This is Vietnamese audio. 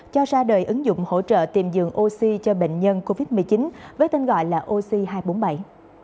cho ra đời ứng dụng hỗ trợ tìm dường oxy cho bệnh nhân covid một mươi chín với tên gọi là oxy hai trăm bốn mươi bảy